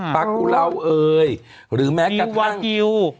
ปากุเเราอะไร